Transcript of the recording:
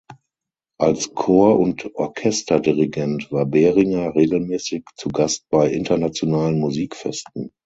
Als Chor- und Orchesterdirigent war Beringer regelmäßig zu Gast bei internationalen Musikfesten.